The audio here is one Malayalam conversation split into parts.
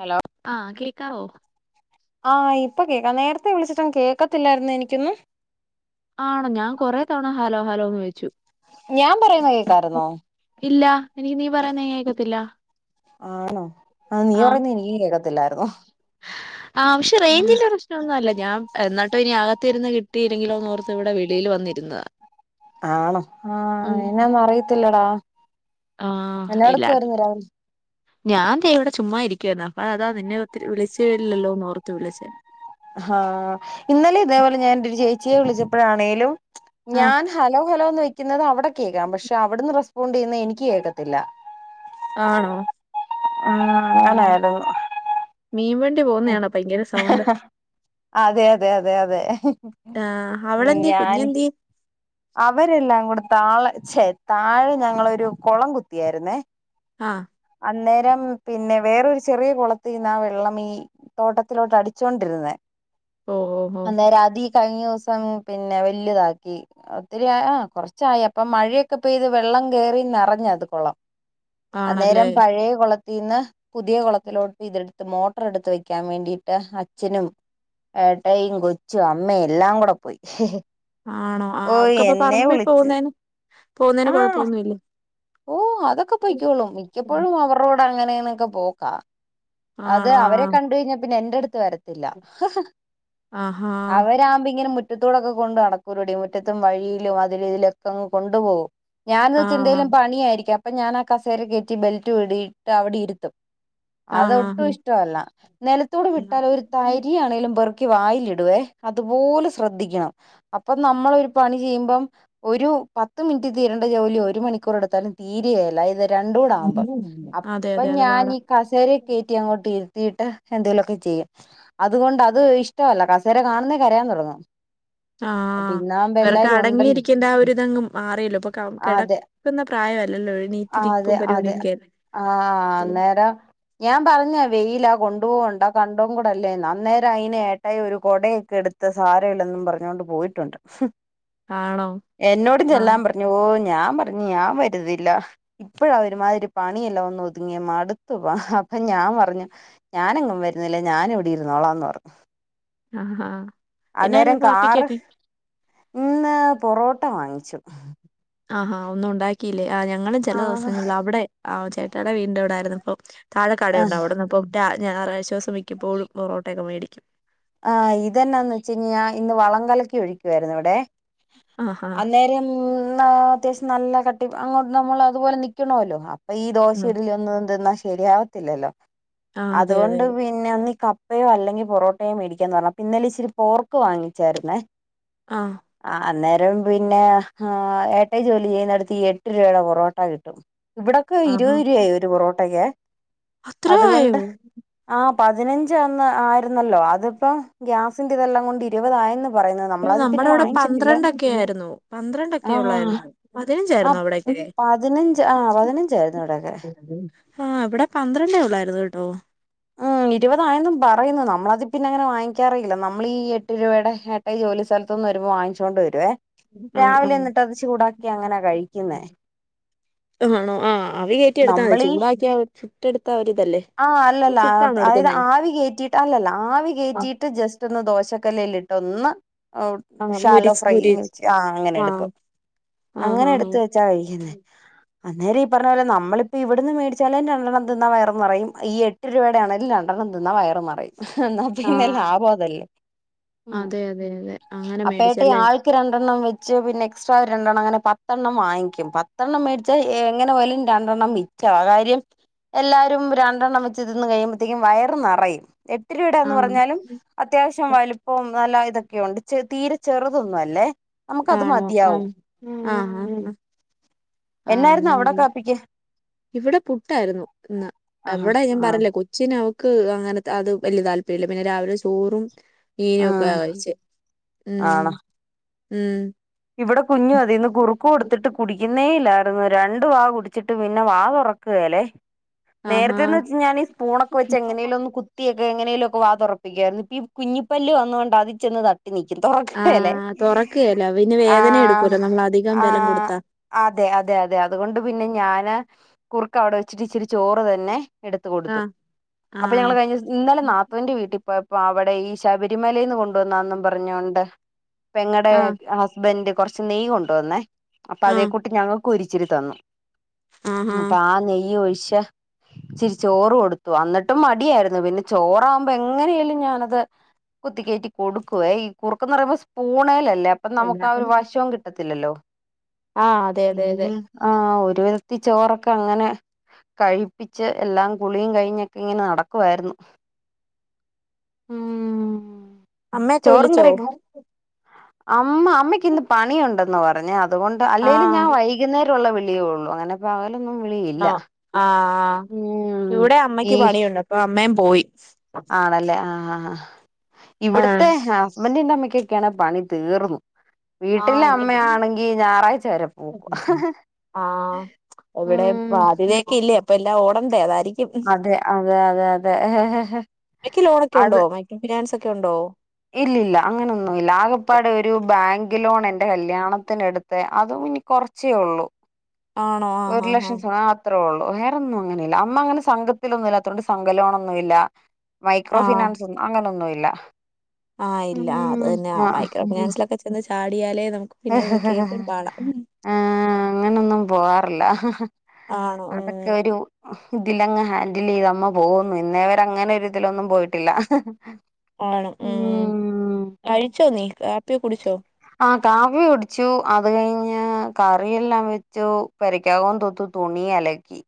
ഹലോ ആഹ് കേ ക്കാവോ ആഹ് ഇപ്പ കേക്കാം നേരത്തെ വിളിച്ചിട്ടൊന്നും കേൾക്കത്തില്ലായിരുന്നു എനിക്കൊന്നും ആണോ ഞാൻ കൊറെ തവണ ഹലോ ഹലോ എന്ന് ചോയിച്ചു ഞാൻ പറയുന്നേ കേക്കാരുന്നോ ഇല്ല എനിക്ക് നീ പറയുന്നേ കേക്കത്തില്ല ആണോ ആഹ് നീ പറയുന്നേ എനിക്കും കേക്കത്തില്ലായിരുന്നു ആ പക്ഷേ റേഞ്ച്ന്റെ പ്രശ്നംഒന്നുമല്ല ഞാൻ എന്നാ ഇനി അകത്തിരുന്നു കിട്ടിയില്ലെങ്കിലോന്നോർത്ത് ഇവിടെ വെളിയിൽ വന്നിരുന്നതാ ആണോ ആഹ് ഉം എന്നാന്ന് അറിയത്തില്ലടാ ആഹ് എന്നാ ഇല്ല എടുക്കുവാരുന്നു രാവ ഞാൻ ദേ ഇവിടെ ചുമ്മാ ഇരിക്കുവാരുന്നു അപ്പൊ അതാ നിന്നെ ഒത്തിരി വിളിചില്ലല്ലോന്നോർത്ത് വിളിചേ ഹാ ഇന്നലെ ഇതേപോലെ ഞാൻ എന്റ ഒരു ചേച്ചിയെ വിളിച്ച എപ്പഴാണേലും ആഹ് ഞാൻ ഹലോ ഹലോന്നോയ് ക്കുന്നത് അവിടെ കേക്കാം പക്ഷെ അവിടുന്ന് [unintelligible] എനിക്ക് കേക്കത്തില്ല ആണോ ആ അങ്ങനായിരുന്നു മീൻവണ്ടി പോകുന്നയാണോ ഭയങ്കര സൗണ്ട് അതെ അതെ അതെ അതെ ആഹ് ഞാൻ അവരെല്ലാം കൂടെ താളെ ഛെ താഴെ ഞങ്ങളൊരു കുളം കുത്തിയായിരുന്നേ ആഹ് നേരം പിന്നെ വേറൊരു ചെറിയ കുളത്തീന്ന് ആ വെള്ളം ഈ തോട്ടത്തിലോട്ട് അടിച്ചൊണ്ടിരുന്നെ ഓ ഓ ഓ കഴിഞ്ഞൂസം പിന്നെ വല്യതാക്കി ഒത്തിരിയ ആഹ് കൊറച്ചായി അപ്പ മഴയൊക്കെ പെയ്ത് വെള്ളം കേറി നെറഞ്ഞ അത് കൊളം ആണല്ലേ അന്നേരം പഴയ കുള ത്തീന്ന് പുതിയ കുളത്തിലോട്ട് ഇതെടുത്ത് മോട്ടർ എടുത്ത് വെക്കാൻ വേണ്ടിട്ട് അച്ഛനും ഏട്ടായിയും കൊച്ചും അമ്മയും എല്ലാം കൂടെ പോയി ഹ്ഹ് ആണോ ആഹ് അവക്കിപ്പൊ പറമ്പീ പോകുന്നേന് പോകുന്നയിന് ആ കൊഴപ്പൊന്നുഇല്ല ഓ അതൊക്കെ പൊയ്ക്കോളും മിക്കപ്പോഴും അവരോ അടെ അങ്ങനെന്നൊക്കെ പോക്കാ അത് ആണോ ആ അവരെ കണ്ട് കഴിഞ്ഞാ പിന്നെ എന്റെട് ത് വരത്തില്ല ഹ് ഹ് ആഹാ അവരാവുമ്പോ ഇങ്ങനെ മു മുറ്റത്തൂ ടൊക്കെ കൊണ്ട് നടക്കുംരോടിയി മുറ്റത്തും വഴിയിലും അതിലീതിലൊക്കെങ കൊണ്ട് പോകും ഞാനത് ആ ചിന്തേലും പണിയായിരിക്കാം അപ്പൊ ഞാൻ ആ കസേര കയറ്റി ബെൽറ്റ് ഇടി ഇടിട്ട് അവിടെ ഇരുത്തും അതൊട്ടും ആഹ് ഇഷ്ടല്ല നിലത്തൂടെ വിട്ടാ ഒരു താരിയാണെങ്കിലും പെറു വായിലിടുവേ അതുപോലെ ശ്രദ്ധിക്കണം അപ്പൊ നമ്മൾ ഒരു പണി ചെയ്യുമ്പം ഒരു പത്ത് മിനിറ്റ് തീരേണ്ട ജോലി ഒരു മണിക്കൂറെടുക്കും ന്താലും തീരിയ ല്ല രണ്ടൂടെ ആകുമ്പം അതെ അപ്പൊ അതെ അത് ഞാൻ പാടാ ഈ കസേരയി കയറ്റി അങ്ങോട്ട് ഇരുത്തി ത്തിയിട്ട് എന്തെേലൊക്കെ ചെയ്യും അതുകൊണ്ട് അത് ഇഷ്ടമല്ല കസേര കാണുന്നേ കരയാൻ തോടങ്ങും ആഹ് ഇവർക്ക് ഉണ്ടല്ലോ അടങ്ങിയിരിക്കേണ്ട ആ ഒരുഇത് ഒന്നും മാറിയെല്ലോ ഇപ്പൊ അതെ കെടക്കുന്ന- പ്രായാ യി അതെ അതെ ആഹ് അന്നേരം ഞാൻ പറഞ്ഞ വെയില കൊണ്ട് പോണ്ട കണ്ടോം കൂടെല്ലേ അന്നേരം അയിനെ ഏട്ടായി ഒരു കൊടയൊക്കെ എടുത്ത സാരമില്ലെന്നും പറഞ്ഞോ ണ്ട് പോയിട്ടുണ്ട് ആണോ എന്നോട് ചൊ ആഹ് ല്ലാം പറഞ്ഞു ഓ ഞാ ഞൻ പറഞ് ഞാൻ വരതി ല്ല ഇപ്പഴാ ഒരു മാതിരി പണിയെല്ലാം ഒന്ന് ഒതുങ്ങിയ മടുത്തു അപ്പൊ ഞാൻ പറഞ്ഞു ഞാനങ്ങും വരുന്നില്ലേ ഞാൻ ഇവിടെ ഇരുന്നോളാന്ന് പറഞ്ഞു ആഹഹ എന്നായിരുന്നു അന്നേരം കാറ് കാപ്പിക്കക്കെ ഇന്ന് പൊറോട് ആഹഹ ഒന്നും ഉണ്ടാക്കിയില്ലേ ആ ഞങ്ങള് ചില ആഹ് ദിവസങ്ങളിൽ അവിടെ ഏ ട്ടായിന്റെ വീടിന്റെ അവിടായിരുന്നപ്പം താഴെ ആ കടയുണ്ടാവ് അവിടു ന്ന് ഇപ്പം ഞായറാഴ്ച്ച സ് - മിക്കപ്പോഴും പൊറോ ട്ടൊക്കെ മേടി- [unintelligible] ആ ഇതന്നാന്ന് വെച്ച കഴിഞ്ഞാ വളംകലക്കി ഒഴിക്കാ യിരുന്നു ഇവിടെ ആഹാ അന്നേരംന്നാ അത്യാവശ്യം നല്ല കട്ടി അങ്ങോ നമ്മൾ അതുപോലെ നൽക്കണല്ലോ പ്പൊ ഈ ദോശഇഡി ലിഎന്നോതെന്തോന്ന് സരി യാവതില്ലല്ലോ ആഹ് അതെ അതെ അതുകൊണ്ട് പിന്നെ ഒന്ന് -ക ോ അല്ലെങ്ക പൊറട്ടോ ലെ മേടിക്കാന്ന പറഞ്ഞാ പിന്നലെ ഇച്ചിരി പോർക്ക് വാങ്ങിച്ചായിരുന്നേ ആഹ് അന്നേ പിന്നെ ആ ഏട്ടായി ജോലി ചെയ്യുന്നടുത്ത് ഇ എട്ട് രൂപയുടെ പൊറോട്ട കിട്ടും ഇവിടൊക്കെ ആഹാ ഇരുപത് ഇരു ആയി ഒരു പൊറോട്ടകെ അത്ര ആയോ അതുകൊണ്ട് ആ പതിനഞ്ച് അന്ന് ആയിരുന്നല്ലോ അതിപ്പോം ഗ്യാസിന്റെ ഇതെല്ലാം കൊണ്ട് ഇരുപതായെന്നും പി നമ്മുടെ ഇവിടെ പന്ത്രണ്ടൊക്കെ ആായിരുന്നു പന്ത്രണ്ടൊക്കെ ആഹ് ഉള്ളായിരുന്നു ആ പതിനഞ്ചായിരന്ന അവിടക്കെ പതിനഞ്ച് ആ പതിനഞ്ചായിരുന്നു ഇവിടെയൊക്കെ ഹ ഇവിടെ പന്ത്രണ്ടേ ഉള്ളായിരുന്നു കേട്ടോ ഉം ഇരുപതായന്നും പറയുന്നു നമ്മളത് പിന്നെ അങ്ങനെ വാങ്ങിക്കാറില്ല നമ്മൾ ഈ എട്ട് രൂപയുടെ ഏട്ടായി ജോലി സ്ഥലത്തൊന്നും വരുമ്പോ വാങ്ങിച്ചോണ്ട് വരുവേ ആ രാവിലെ എന്നിട്ട് അത് ചൂടാക്കി അങ്ങനാ കഴിക്കുന്നേ ആ ആണോ ആ അവി കയറ്റി എടുത്താതി നമ്മളീ ചൂടാക്കി ചുട്ടെടുത്ത ഒരു ഇതല്ലേ ആ അല്ലല്ല അതായത് ആവി കറ്റിട്ട് അല്ലല്ല ആവി ആഹ് കറ്റിയിട്ട് ജസ്റ്റ്ന്ന് ദോശക്കല്ല ലിറ്റുള്ള ഓ ആഹ് ശാലോ മുരിച്ച് ഫ്രൈ മുരി ആ അങ്ങനെ ആഹ് എടുക്കും ആഹ് അങ്ങനെ ആഹ് എടുത്ത വെച്ചാ കഴിക്കുന്നേ അന്നേര ഈ പറഞ്ഞ പോലെ നമ്മളിപ്പപ്പോ ഇവിടന്ന് മേടിച്ചാലും രണ്ടെണ്ണം തിന്നാ വയറും നിറയും ഈ എട്ട് രൂപയുടെയാണെങ്കിൽ രണ്ടണ്ണം തിന്നാ വയറും നിറയും എന്നാ പിന്നെ ആഹ് ലാഭം അതല്ലേ ഉം അതെ അതെ അതെ അങ്ങനെ അപ്പേട്ടെ മേടിച്ചല്ലേ ആൾക്ക് രണ്ടെണ്ണം വെച്ച് പിന്നെ എക്സ് രണ്ടെണ്ണം അങ്ങനെ പത്തണ്ണം വാങ്ങിക്കും പത്തെണ്ണം മേടിച്ചാ എങ്ങനെ പോയാലും രണ്ടെണ്ണം മിച്ചആ കാര്യം എല്ലാവാരും രണ്ടെണ്ണം ച് തിന്നുമ്പഴത്തേക്കും വയർ നിറയും ട്ട് രുപയുടെ എന്ന് ആഹ് പറഞ്ഞാലും അത്യാവശ്യം വലുപ്പവും നല്ല ഇത കൊണ്ട് ചി തീരെ ചെറുതൊന്നും അല്ലേ നമുക്ക് അത് ആണോ മതിയാവും ആഹ് ആഹ് ആഹ് ആഹ് എന്നായിരുന്നു അവിടെ അങ്ങനെല്ലേ കാപ്പിക്ക് ഇവിടെ പുട്ടായിരുന്നു ഇന്ന് ആഹ് എവിടെ ഞാൻ ആഹ് പറഞ്ഞില്ല കൊച്ചിനെ ക്ക് അങ്ങനത്തെ അത് വലിയ താല്പര്യമില്ല പിന്നെ രാവിലെ ചോറും ഇനൊക്കെ ആഹ് അവോയിച്ചേ ഏ ആണോ ഉം ഇവിടെ കുഞ്ഞു അതിന്ന് കുറുക്കൊടുത്തിട്ട് കുടിക്കുന്നേല്ലായിരുന്നു രണ്ട് വാ കുടിച്ചിട്ട് പിന്നെ വാ തുറക്കുകല്ലേ ആഹാ നേരത്തെന്ന് വെച്ച ഞാനീ സ്പൂണൊക്കെ വെച്ച് എങ്ങനെങ്കലും ഒന്ന് കുത്തി എങ്ങനെലുംക്കെ വാ തുറപ്പിക്കാന്നു ഈ കുഞ്ഞിപ്പല് വന്നൊണ്ട് അതി ചെന്ന് ത നിക്കും ആ തുറക്കെല്ലേ തുറക്കുകയല്ല പിന്നെ ആ വേദന എടുക്കുമല്ലോ നമ്മൾ അധികം ആ ബലം കൊടുത്താ അതെ അതെ അതെ അതുകൊണ്ട് പിന്നെ ഞാന് കുറുക്ക അവിടെ വച്ചിട്ട് ഇച്ചിരി ചോറ് തന്നെ എടുത്തൂ ആ കൊടുത്തു അപ്പൊ ആണോ ഞങ്ങളൾ കഴിഞ്ഞ ദിസ ഇന്നലെ നാത്തൂവിന്റെ വീട്ടിൽപ്പോയ അപ്പൊ അവിടെ ഈ ശബരിമലേന്ന് കൊണ്ടുവന്നാന്നും പറഞ്ഞോണ്ട് പെങ്ങടെ ആ ഹസ്ബൻഡ് കുറച്ച് നെയ്യ് കൊണ്ടുവന്നേ അപ്പൊ ആ അതേ കൂട്ടി ഞങ്ങൾ ക്കും ഒരിച്ചിരി തന്നു ആഹാ പ്പം ആ നെയ്യ് ഒഴിച്ച് ച്ചിരി ചോറ് കൊടുത്തു എന്നിട്ടും മടിയായിരുന്നു പിന്നെ ചോറാവുമ്പോ എങ്ങനേലും ഞാനത് കുത്തിക്കയറ്റി കൊടുക്കുവേ ഈ കുറുക്കന്ന് പറയുമ്പോ സ്പൂണേലല്ലേ നമുക്ക് ആ ഒരു വശം കിട്ടത്തില്ലല്ലോ ആ അതെ അതെ അതെ ഒരുവിധത്തി ചോറൊക്കെ അങ്ങനെ കഴിപ്പിച്ച് എല്ലാം കുളിയും കഴിഞ്ഞൊക്കെ ഇങ്ങനെ നടക്കുവായിരുന്നു ഉം അമ്മയൊക്കെ വിളിച്ചോ ആ അമ്മ അമ്മയ്ക്ക് ഇന്ന് പണിയുണ്ട് എന്ന്‌ പറഞ്ഞു അതുകൊണ്ട് ആ അല്ലേലും ഞാൻ വൈകുന്നേരം ള്ള വിളിയേ ഉള്ളൂ അങ്ങനെ പകൽ ആഹ് ഉം ഇവിടെ അമ്മയ്ക്ക് ഈ പണിയുണ്ട് അപ്പൊ അമ്മയും. പോയി. ആണല്ലേ ആഹ് ഹ. ആഹ് ആ ഇവിടത്തെ ഹസ്ബന്ഡിന്റെമ്മയ്ക്ക്. ക്കെയാണ് പണി തീർന്നു. ആ വീട്ടിലെ ഇനി അമ്മയാണെങ്കി ഞായറാഴ്ച. വരെ പോക്കും ആഹ് ഇവിടെ ഉം ബാധ്യതയക്കെ ഇല്ലേ അപ്പ എല്ല ഓട ണ്ടേ അതാരിക്കും. അതെ അതെ അതെ അതെ അത് ഒക്ക ഉണ്ടോ ഇല്ലില്ല അങ്ങനെയൊന്നുംല്ല ആകപ്പാട് ഒരു ബാങ്ക് ലോൺ എന്റെ കല്യാണം. ണത്തിനെടുത്ത അതും ഇനി കുറച്ചേ ഉള്ളൂ. ആണോ ആഹ് ഒരു ആഹ് ആഹ് ലക്ഷം അത്രോളൂ. വേറൊന്നും അങ്ങനില്ല അമ്മ അങ്ങനെ സംഘത്തിലൊന്നും ഇല്ലാത്തോണ്ട് സംഘലോണൊന്നുമില്ല. മൈക്രോ ആഹ് ഫിനാൻസ് ഒന്നും അങ്ങനൊന്നുമില്ല. ഇല്ല. ആഹ് ഉം ഇല്ല അത് തന്നെ ആ മൈക്രോ ഫിനാൻസിലൊക്കെ ചെന്നു ചാടിയാലെ. ആ ഹ് ഹ് ഹ അങ്ങനൊന്നും പോവാ. ഇല്ല ഹ് ഹ് ഹ ആഹ് ഉം ഇതിലങ്ങു ഹാൻഡിൽ ചെയ്തമ്മ പോകന്നു ഇന്നേവ അങ്ങനെ ഒരു ഇതിലൊന്നും പോയിട്ടില്ല. ആണ് ഉം കഴിച്ചോ നീ കാപ്പി കുടിച്ചോ. ആ കാപ്പി കുടിച്ചു അത് കഴിഞ്ഞ് കറിയെല്ലാം വെച്ചു പുരക്കകം തുത്തു തുണി അലക്കി.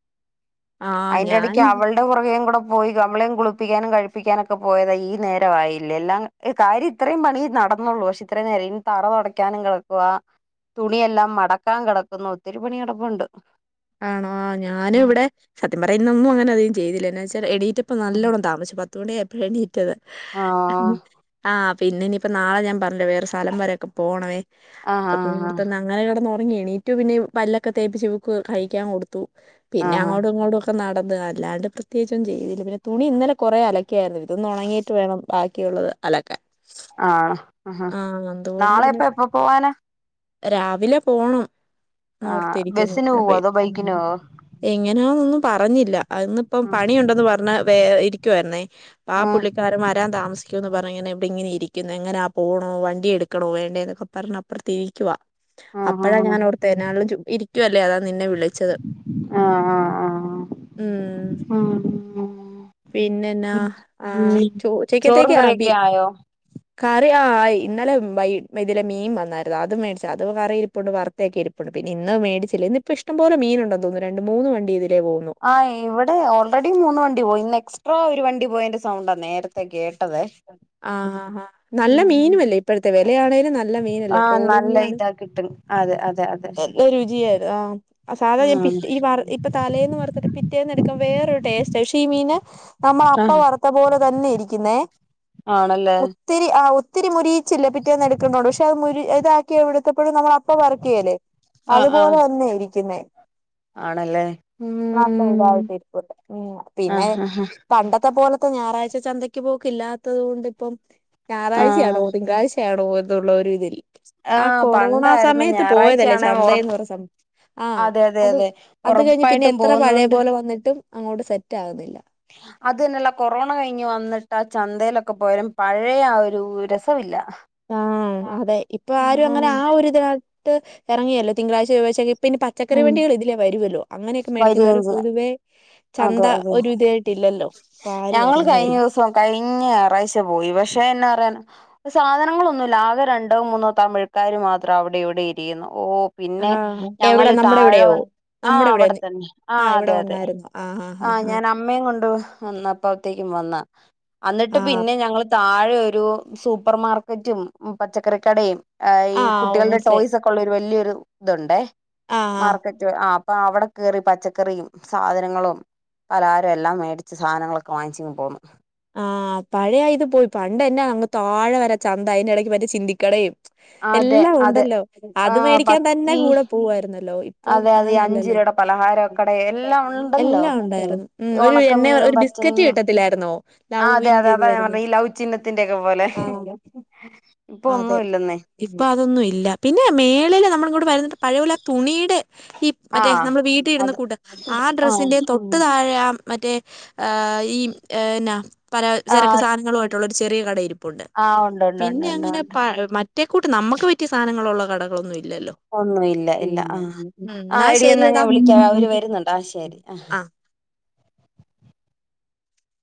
ആഹ് അതിന്റെ ഞാൻ ഇടയ്ക്ക് അവളുടെ പുറകേ കൂടെ പോയി അവളെളേം കുളിപ്പിക്കാനും കഴിപ്പിക്കാനൊക്കെ പോയതാ ഈ നേരയില്ലേ എല്ലാം കാര്യം ഇത്രയും പണി നടന്നള്ളൂ പക്ഷെ ഇത്രയും നേരം ഇനി തറ തുൊടയ്ക്കാനും കിടക്കുവ തുണിയെല്ലാം മടക്കാൻ കിടക്കുന്ന ഒത്തിരി പണി കടപ്പുണ്ട്. ആണോ ഞാനും ഇവിടെ സത്യം പറഞ്ഞാൽ അങ്ങനെ അധികം ചെയ്തില്ല എന്നുവെച്ചാൽ ഡി ഇപ്പോ നല്ലോണം താമസിച്ചു. തുണയാ പണീറ്റത്. ആഹ് ആഹ് പിന്നെ ഇനി ഇപ്പോൾ നാളെ ഞാൻ പറഞ്ഞില്ലെ വേറെ സ്ഥലം വരെൊക്കെ പോണമേ ആഹ് അപ്പൊ പിന്നെ ഇവിടെ ആഹ് തന്നെ അങ്ങനെ ഉറങ്ങിയെണ്ണിറ്റു പിന്നെ പല്ലൊക്കെ തേപ്പിച്ച അവള്ക്ക് കഴിക്കാൻ കൊടുത്തു പിന്നെ ആഹ് അങ്ങോട്ടും ഇങ്ങോടും ഒക്കെ നടന്ന അത് അല്ലാണ്ട് പ്രത്യേകിച്ചും ചെയ്തില്ല പിന്നെ തുണി ഇന്നലെ കുറെ അലക്ക ആയിരുന്നു ഇതൊന്ന് ഉണങ്ങിയിട്ട് വേണം ബാക്കിയുള്ളത് അലക്കാൻ ആഹ ഉം. ആ അതുകൊണ്ട് നാളെ പിന്നെ ഇപ്പോ എപ്പോ പോവാനാ രാവിലെ പോണം ആഹ് ഓർത്തിരിക്കുന്നു ബസിന് പോവോ അതോ ബൈക്കിന് പോവോ എങ്ങനെയാക്കും പറഞ്ഞില്ല ഇന്നിപ്പോ പണിയുണ്ടന്ന് പറഞ്ഞ വേറെ ഇരിക്കുവായിരുന്നേ ങ്ങേ ആ ആഹ് പുള്ളിക്കാരും വരാൻ താമസിക്കുവ എന്ന് പറഞ്ഞ ഇങ്ങനെ ഇവിടെ ഇങ്ങനെ ഇരിക്കുന്നു ഇങ്ങനെ പോണോ വണ്ടി എടുക്കണോ വേണ്ടേ എന്നൊക്കെ പറഞ്ഞ അപ്പുറതിരിക്കുവാ ആഹ് ആഹ് അപ്പോഴാ ഞാൻ ആഹ് ഓർത്തത് എണ്ണേലും ചുമ്മാ ഇരിക്കുവല്ലേ അതാ നിന്നെ വിളിച്ചത്. ആഹ് ആഹ് ഉം..... ഉം പിന്നെയെന്ന ആ ഉം ചോറും ഉച്ചത്തേക്ക് കറിയൊക്കെ ആയി ആയോ അതെ ആയി ഇന്നലെ വൈകിട്ടുത്തിലെ മീൻ വന്നായിരുന്നു. അതു മേടിച്ചത് അത് കറി ഇരിപ്പുണ്ട് വറുത്തൊക്കെ ഇരിപ്പുണ്ട്. പിന്നെ ഇന്നു മേടിച്ചില്ല ഇന്നപ്പോ ഇഷ്ടംപോലെ മീനുണ്ടോ തോന്നുന്നു. രണ്ട് മൂന്ന് വണ്ടി ഇതിലേ പോകുന്നു ആ ഇവിടെ ഓൾറെഡി മൂന്ന് വണ്ടി പോയി നെക്സ്റ്റ് ഇപ്പോ ഒരു വണ്ടി പോയന്റെ സൗണ്ടാ നേരത്തെ കേട്ടേ ആഹ ആ ആ നല്ല മീന് അല്ലേ ഇപ്പഴത്തെ വ [unintelligible] ആഹ് നല്ല ഇതാ കിട്ട അതെ അതെ അതെ നല്ല രുചിയായിരുന്നു ആഹ സാധാരണ ഞാൻ പി ഉം ഈ ഇപ്പൊ തലേന്ന് വറത്തിട്ട് പിറ്റേന്ന് എടുക്കാ വേറൊരു ടേസ്റ്റ് ശേഷം ഈ മീന് അമ്മേ അപ്പ ആഹ് വറുത്ത പോലെ തന്നെ ഇരിക്കുന്നേ ആണല്ലേ ഒത്തിരി ആ ഒ ഒത്തിരി മുരീച്ചില്ലേ പിറ്റേന്ന് എടുക്കുന്നോണ്ട് പക്ഷെ അത് മുരി ഇതാക്കി എടുത്തപ്പഴും നമ്മള അപ്പ വർക്ക് ഏല്ലേ ആഹ് അതുപോലെ ആഹ് തന്നെ ഇരിക്കുന്നേ ആണല്ലേ [unintelligible] ഉം ഇതായിട്ട് ഇരിപ്പുണ്ട് ഉ പിന്നെ ആഹ് ആഹ് പണ്ടത്തെ പോലെ ഇപ്പ ഞായറാഴ്ച ചന്തയ്ക്ക് പോക്ക് ഇല്ലാത്തത് കൊണ്ട് ഇപ്പം ആഹ് ഞായറാഴ്ചയാണോ തിങ്കളാഴ്ച ണോ എന്നുള്ള ഒരു ഇതിൽ ആ ആഹ് കൊറോണ പണ്ടായിരുന്നു സമയത്ത് പോയതല്ലേ ഞായറാഴ്ചയാണെ ഉറ ചന്തന്ന് [unintelligible] അതെ അതെ അതെ പിന്നെ ഒറപ്പായിട്ടും എത്ര പഴയ പോകുന്നുണ്ട് പോലെ വന്നിട്ടും അങ്ങോട്ട് സെറ്റ് ആകുന്നില്ല അത്‌ തന്നല്ലല്ല കൊറോണ കഴിഞ്ഞ് വന്നിട്ട് ആ ച - ചന്തേലൊക്കെ പോയാ പഴയ ആ ഒരു രസമില്ല ആഹ അതെ ഇപ്പൊ ആരും അങ്ങനെ ആ ഉം ഒരുതിന ഇത് എറങ്ങിയല്ലോ തിങ്കളാഴ്ച ചൊവ്വാഴ്ച ഒക്കെ കി - പിന്നെ പച്ചക്കറി വണ്ടികൾ ഇതിലേ വരുവല്ലോ അങ്ങനെയൊക്കെ മേടിക്കുന്നവര് വരികയും ചെയ്യാം പൊതുവേ അതെ ചന്ത അതെ ഒരു ഇതായിട്ടില്ലല്ലോ ഇപ്പൊ ആരും ഞങ്ങൾ കഴിഞ്ഞ എറങ്ങേല്ല ദിവസം കഴിഞ്ഞ ഞായറാഴ്ച പോയി പക്ഷെ എന്നാ പറയാൻ പ്പം സാധനങ്ങളൊന്നുല്ല ആകെ രണ്ടോ മൂന്നോ തമിഴക്കാർ മാത്രം അവിടെ ഇവിടെ ഇരിക്കുന്നു ഓ പിന്നെ ആഹ് ഞങ്ങൾ എവിടെ നമ്മുടെ താഴെ ഇവിടെയോ ആ നമ്മുടെ ഇവിടെന്ന് അവിടെത്തന്നെ ആ അതെ അതെ ആഹ് ഞാൻ അമ്മ കൊണ്ടു വന്ന അപ്പത്തേക്കും വന്നാ അന്നിട്ട് ആഹ് പിന്നെ ഞങ്ങൾ താഴെ ഒരു സൂപ്പർ മാർക്കറ്റും പച്ചക്കറിക്കടയും അ ഈ ആഹ് കുട്ടികളുടെ മനസ്സിലായി ടോയ്സ് ഒക്കെ ഉള്ള ഒരു വലിയൊരു ഇതുണ്ടേ ആഹ് ആഹ് മാർക്കറ്റ് ആ അപ്പ അവിടെ കയറി പച്ചക്കറിയും സാധന ങ്ങളും പലഹാരും എല്ലാം മേടിച്ച് സാധനങ്ങളൊക്കെ വാങ്ങിച്ചിങ് പോന്നു ആ പഴയത് പോയി പണ്ടന്നാ അങ്ങ് താഴെ വരെ ചന്ത അതിന്റെ ഇടയ്ക്ക് മറ്റേ ചിന്തിക്കടേയും അതെ എല്ലാം അതെ ഉണ്ടല്ലോ ആ അത് മേടിക്കാൻ തന്നെ ഈ കൂടെ പോവായിരുന്നല്ലോ ഇ അപ്പം അതെ അതെ അഞ്ച് അങ്ങനല്ലല്ലോ രൂപയുടെ പലഹാരക്കട എല്ലാം ഉണ്ടല്ലോ എല്ലാം ഉണ്ടായിരുന്നു ഉ ഒരു എണ്ണ ഉണക്കമീനും ഒരു ബിസ്കറ്റ് പച്ചമീനും കിട്ടത്തില്ലായിരുന്നോ ആ അതെ അതെ ലവ്‌ന്റെഇത് അതാ ഞാൻ വരുന്ന് പറഞ്ഞെ ഈ ലൗ ചിഹ്നത്തിന്റെ ഒക്കെ പോലെ ഇപ്പൊ ആ ഒന്നും അതെ ഇല്ലെന്നേ ഇപ്പൊ അതൊന്നും ഇല്ല പിന്നെ മേളില് നമ്മള് [unintelligible] പഴപോലെ ആ തുണിയുടെ ഈ ആ മറ്റേ നമ്മള് വീട്ട് ഇടുന്ന അത് കൂട്ട് ആ ഡ്രസ്സിന്റെയും തൊട്ട് താഴെ മറ്റേ ആഹ് ഈ ഏ എന്നാ പല ആ ചരക്ക് സാധനങ്ങള ഒരു ചെറിയ കടയിരിപ്പു പ്പുണ്ട് ആ ഉണ്ട് ഉണ്ട് ഉണ്ട് പിന്നെ ഉണ്ട് അങ്ങനെ ഉണ്ട് പ മറ്റേക്കൂട്ട് നമ്മുക്ക് പറ്റിയ സാധനങ്ങളുള്ള കടകൊന്നുമില്ല ഒന്നും ഇല്ല ഇല്ല ആഹ് ആ എന്നാ ഇടിന്നാ ഞാൻ ശരിയടാ വിളിക്ക അവര് വരുന്നുണ്ട് ആ ശരി ആ